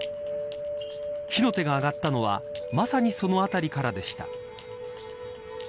火の手が上がったのはまさにその辺りからでした。